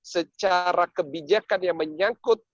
secara kebijakan yang menyangkut